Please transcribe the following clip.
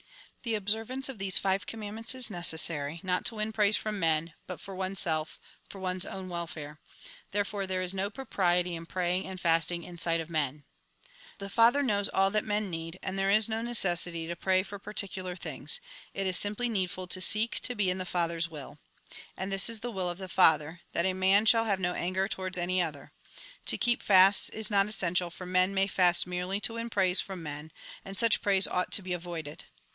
" The observance of these five commandments is necessary, not to win praise from men, but for oneself, for one's own welfare ; therefore there is no propriety in praying and fasting in sight of men. " The Father knows all that men need, and there is no necessity to pray for particular things ; it is 178 THE GOSPEL IN BRIEF simply needful to seek to be in the Father's will. And this is the will of the Father, that a man shall have no anger towards any other. To keep fasts is not essential, for men may fast merely to win praise from men, aud such praise ought to be avoided.